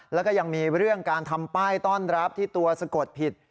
แล้วก็ยังมีเรื่องการทำป้ายต้อนรับที่ตัวสะกดผิด